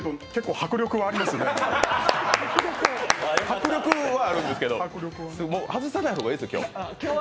迫力はありますけど、外さない方がいいですよ、今日は。